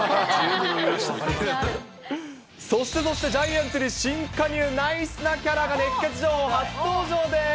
そしてそして、ジャイアンツに新加入、ナイスなキャラが熱ケツ情報、初登場です。